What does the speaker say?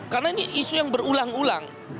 karena ini isu yang berulang ulang